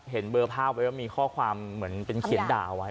เห็นเบอร์ภาพไว้ว่ามีข้อความเหมือนเป็นเขียนด่าเอาไว้